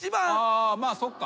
まあそっか。